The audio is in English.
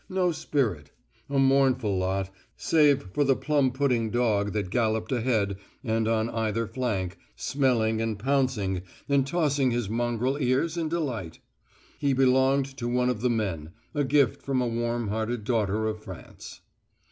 No spirit. A mournful lot, save for the plum pudding dog that galloped ahead and on either flank, smelling and pouncing and tossing his mongrel ears in delight. He belonged to one of the men, a gift from a warm hearted daughter of France.